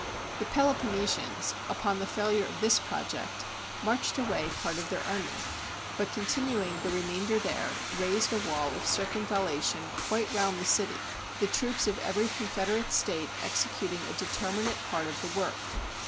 The Peloponnesians, upon the failure of this project, marched away part of their army; but continuing the remainder there, raised a wall of circumvallation quite round the city, the troops of every confederate state executing a determinate part of the work.